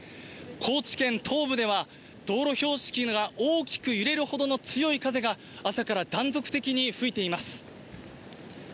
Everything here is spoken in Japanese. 高知県東部では、道路標識が大きく揺れるほどの強い風が、朝から断続的に吹いています。